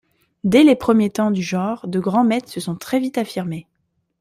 Dès les premiers temps du genre, de grands maitres se sont très vite affirmés.